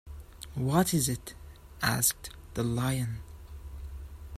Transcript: What is it? asked the Lion.